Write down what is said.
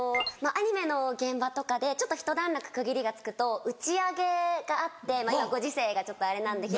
アニメの現場とかでちょっとひと段落区切りがつくと打ち上げがあって今ご時世がちょっとあれなんで。